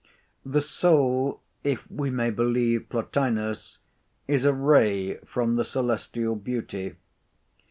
The soul, if we may believe Plotinus, is a ray from the celestial beauty.